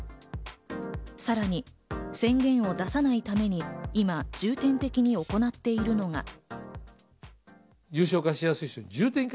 さらに宣言を出さないために今、重点的に行っているのが。